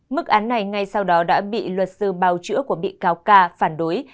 mức án này ngay sau đó đã bị luật sư bào chữa của bị cáo ca phản đối